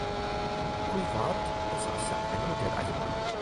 Privat besaß er eine Modelleisenbahn.